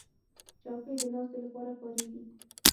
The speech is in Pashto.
چوکۍ د ناستې لپاره کارېږي.